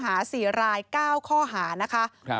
เดี๋ยวมากยังไง